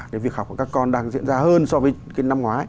cái việc học của các con đang diễn ra hơn so với cái năm ngoái